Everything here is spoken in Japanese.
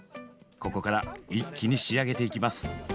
ここから一気に仕上げていきます。